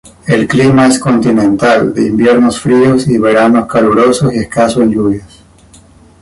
El clima es continental, de inviernos fríos y veranos calurosos, y escaso en lluvias.